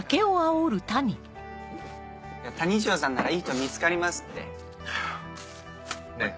谷ショーさんならいい人見つかりますって。ねぇ。